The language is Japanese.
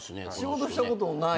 仕事したことない？